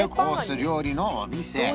料理のお店